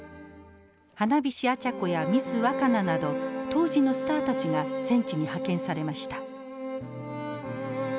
花菱アチャコやミスワカナなど当時のスターたちが戦地に派遣されました。